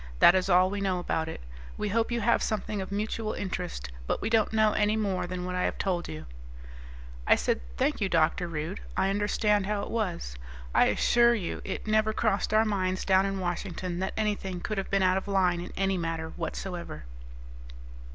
That is all we know about it. We hope you have something of mutual interest, but we don't know any more than what I have told you." I said, "Thank you, Dr. Rude. I understand how it was. I assure you it never crossed our minds down in Washington that anything could have been out of line in any manner whatsoever."